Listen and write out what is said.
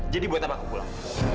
jadi buat apa aku pulang